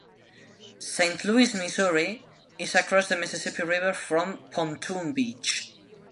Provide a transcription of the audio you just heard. Saint Louis Missouri is across the Mississippi River from Pontoon Beach.